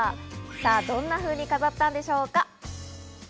どんなふうに飾ったんでしょうか？